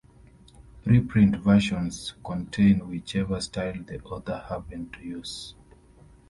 Preprint versions contain whichever style the author happened to use.